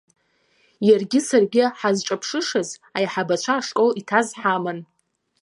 Иаргьы саргьы ҳазҿыԥшышаз аиҳабацәа ашкол иҭаз ҳаман.